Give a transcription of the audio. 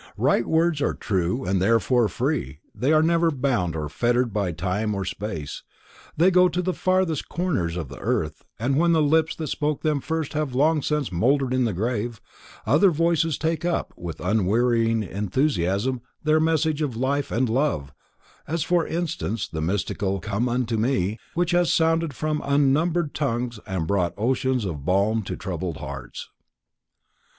Right words are true and therefore free, they are never bound or fettered by time or space, they go to the farthest corners of the earth, and when the lips that spoke them first have long since mouldered in the grave, other voices take up with unwearying enthusiasm their message of life and love, as for instance the mystical "Come unto me" which has sounded from unnumbered tongues and brought oceans of balm to troubled hearts.